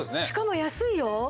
しかも安いよ。